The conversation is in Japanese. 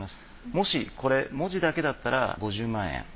もしこれ文字だけだったら５０万円。